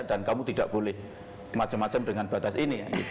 dan kamu tidak boleh macam macam dengan batas ini